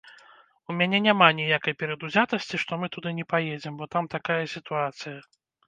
У мяне няма ніякай перадузятасці, што мы туды не паедзем, бо там такая сітуацыя!